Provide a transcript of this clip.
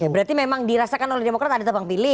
berarti memang dirasakan oleh demokrat ada tebang pilih